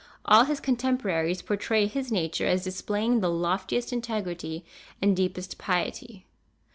All his contemporaries portray his nature as displaying the loftiest integrity and deepest piety.